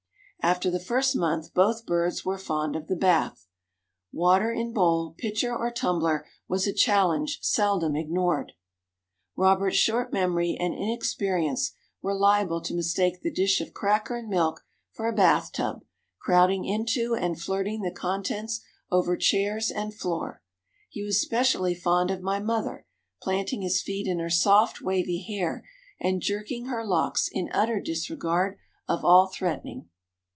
After the first month both birds were fond of the bath; water in bowl, pitcher, or tumbler, was a challenge seldom ignored. Robert's short memory and inexperience were liable to mistake the dish of cracker and milk for a bath tub, crowding into and flirting the contents over chairs and floor. He was specially fond of my mother, planting his feet in her soft, wavy hair and jerking her locks in utter disregard of all threatening.